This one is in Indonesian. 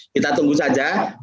kita tunggu saja